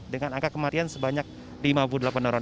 dengan angka kematian sebanyak lima puluh delapan orang